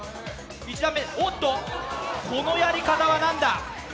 １段目、おっとこのやり方は何だ？